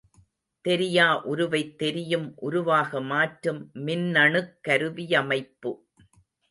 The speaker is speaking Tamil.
தெரியா உருவைத் தெரியும் உருவாக மாற்றும் மின்னணுக் கருவியமைப்பு.